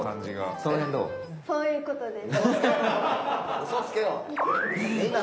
そういう事です。